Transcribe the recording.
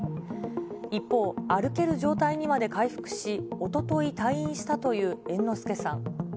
一方、歩ける状態にまで回復し、おととい退院したという猿之助さん。